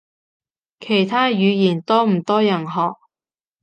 其他語言多唔多人學？